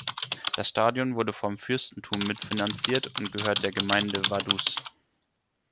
Das Stadion wurde vom Fürstentum mitfinanziert und gehört der Gemeinde Vaduz.